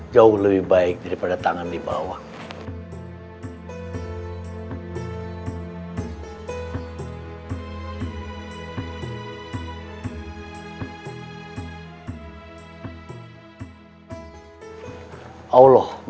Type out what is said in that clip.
jauh lebih baik daripada tangan di bawah